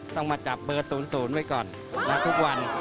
ต้องมาจับเบอร์๐๐ไว้ก่อนทุกวัน